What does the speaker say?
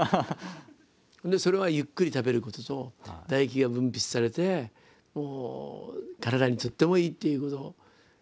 それはゆっくり食べることと唾液が分泌されて体にとってもいいっていうこと。